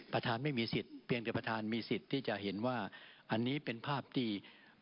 ไม่มีสิทธิ์เพียงแต่ประธานมีสิทธิ์ที่จะเห็นว่าอันนี้เป็นภาพที่